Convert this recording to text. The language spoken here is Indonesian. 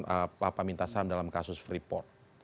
pak pahamintasam dalam kasus freeport